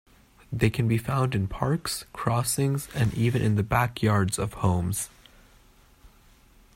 They can be found in parks, crossings, and even in the backyards of homes.